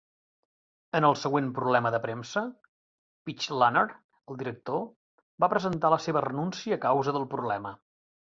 En el següent problema de premsa, Pechlaner, el director, va presentar la seva renúncia a causa del problema.